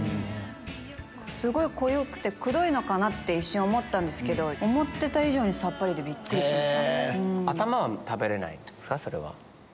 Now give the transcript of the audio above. すごい濃ゆくてくどいのかなって一瞬思ったんですけど思ってた以上にさっぱりでびっくりしました。